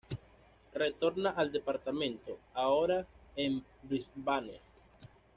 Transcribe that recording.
Retorna al Departamento; ahora en Brisbane.